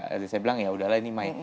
jadi saya bilang ya udahlah ini my